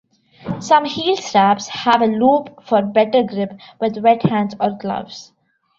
Some heel straps have a loop for better grip with wet hands or gloves.